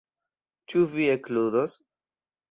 Ĉu vi ekludos?